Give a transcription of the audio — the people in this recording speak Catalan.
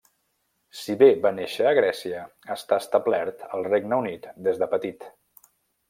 Si bé va néixer a Grècia, està establert al Regne Unit des de petit.